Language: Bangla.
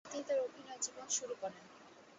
তিনি তার অভিনয় জীবন শুরু করেন।